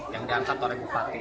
yang diangkat oleh bupati